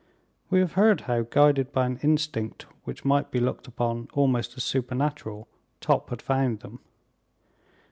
We have heard how, guided by an instinct which might be looked upon almost as supernatural, Top had found them.